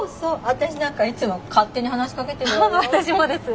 私なんかいつも勝手に話しかけてるわよ。